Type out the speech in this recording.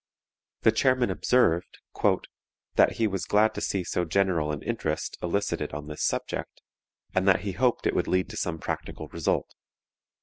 The chairman observed "that he was glad to see so general an interest elicited on this subject, and that he hoped it would lead to some practical result.